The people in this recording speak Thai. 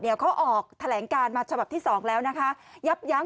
เขาออกแถลงการมาฉบับที่สองแล้วนะคะยับยั้ง